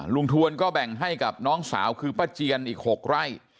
ทวนก็แบ่งให้กับน้องสาวคือป้าเจียนอีก๖ไร่